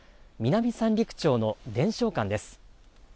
南三陸町の伝承館です。